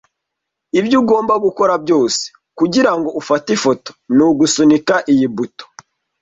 Ibyo ugomba gukora byose kugirango ufate ifoto ni ugusunika iyi buto.